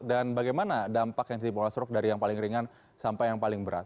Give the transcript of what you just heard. dan bagaimana dampak yang terdiri dari yang paling ringan sampai yang paling berat